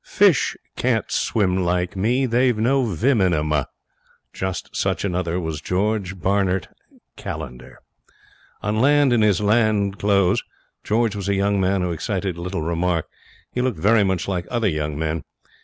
Fish can't swim like me, they've no vim in 'em.' Just such another was George Barnert Callender. On land, in his land clothes, George was a young man who excited little remark. He looked very much like other young men.